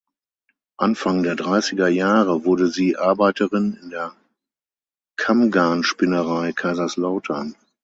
Anfang der dreißiger Jahre wurde sie Arbeiterin in der Kammgarnspinnerei Kaiserslautern.